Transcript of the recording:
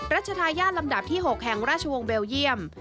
รัชทายาทลำดับที่๖แห่งราชวงศ์เบลเยี่ยม